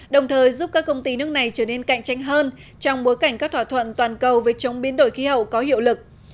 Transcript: đồng thời giúp các công ty nước này trở nên cạnh tranh hơn trong bối cảnh các thỏa thuận toàn cầu về chống biến đổi khí hậu có hiệu lực